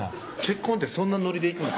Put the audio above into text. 結婚ってそんなノリでいくの？